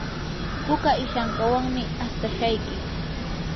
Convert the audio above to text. puka ishankawanmi astashayki.